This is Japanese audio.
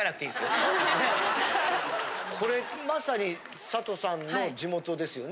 これまさに佐藤さんの地元ですよね？